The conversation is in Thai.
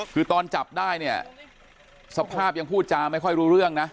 คือตอนจับได้เนี่ยสภาพยังพูดจาไม่ค่อยรู้เรื่องนะ